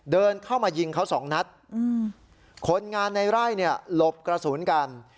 เดินเข้ามายิงเขาสองนัดคนงานในไร่เนี่ยหลบกระสุนกัน